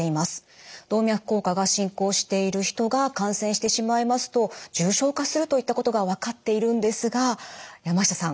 動脈硬化が進行している人が感染してしまいますと重症化するといったことが分かっているんですが山下さん